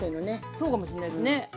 そうかもしんないですね。